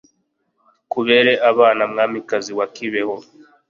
tukubere abana, mwamikazi wa kibeho